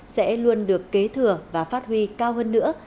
sẽ luôn được kế thừa và phát huy cao hơn nữa